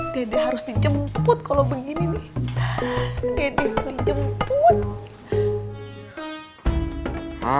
dede harus dijemput kalau begini nih